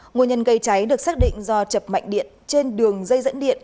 nguồn nhân gây cháy được xác định do chập mạnh điện trên đường dây dẫn điện